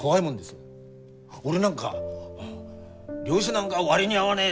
俺なんか漁師なんか割に合わねえ